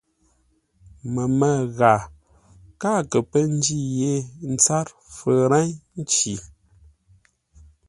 Məmə́ ghaa káa kə pə́ ńjí yé tsâr fərə́nci.